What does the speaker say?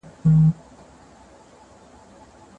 آيا هر اړخ به له بل اړخ سره موښتی وي؟